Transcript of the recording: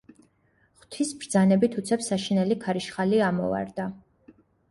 ღვთის ბრძანებით უცებ საშინელი ქარიშხალი ამოვარდა.